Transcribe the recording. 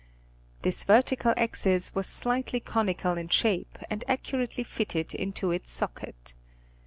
This vertical axis was slightly conical in shape and accurately fitted into its socket.